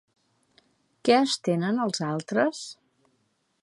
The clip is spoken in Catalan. Què estenen els altres?